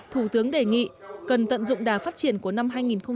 thủ tướng đề nghị cần tận dụng đà phát triển của năm hai nghìn một mươi bảy